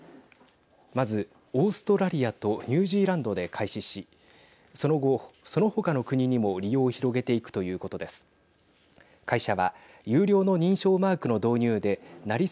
まず、オーストラリアとニュージーランドで開始しその後、その他の国にも利用を広げていくということです。